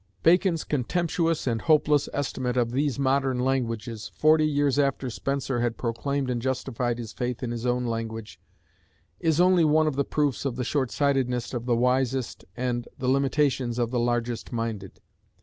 Bacon's contemptuous and hopeless estimate of "these modern languages," forty years after Spenser had proclaimed and justified his faith in his own language, is only one of the proofs of the short sightedness of the wisest and the limitations of the largest minded.